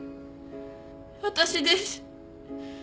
私です。